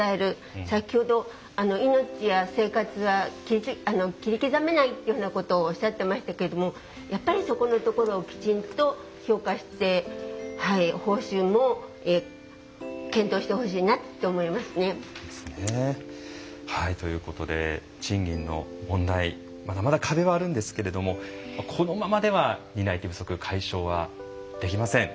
先ほど命や生活は切り刻めないというふうなことをおっしゃってましたけれどもやっぱりそこのところをきちんと評価して報酬も検討してほしいなって思いますね。ということで賃金の問題まだまだ壁はあるんですけれどもこのままでは担い手不足解消はできません。